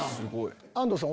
安藤さん